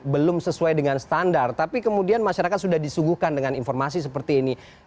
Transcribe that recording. belum sesuai dengan standar tapi kemudian masyarakat sudah disuguhkan dengan informasi seperti ini